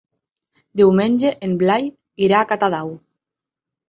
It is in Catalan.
Diumenge en Blai irà a Catadau.